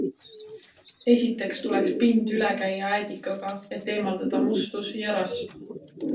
Esiteks tuleks pind üle käia äädikaga, et eemaldada mustus ja rasv.